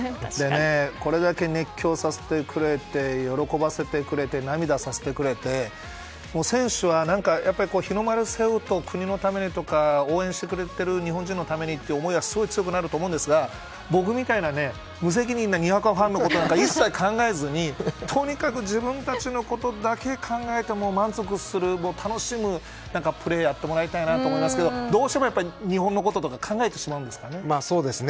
これだけ熱狂させてくれて喜ばせてくれて涙させてくれて選手は、日の丸を背負うと国のためにとか応援してくれている日本人のためにという思いはすごい強くなると思うんですが僕みたいな無責任なにわかファンのことは一切考えずにとにかく自分たちのことだけ考えて満足する、楽しむプレーをやってもらいたいと思いますがどうしても日本のこととか考えてしまうんですかね？